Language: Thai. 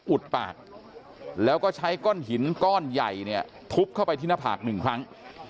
อุดปากแล้วก็ใช้ก้อนหินก้อนใหญ่เนี่ยทุบเข้าไปที่หน้าผากหนึ่งครั้ง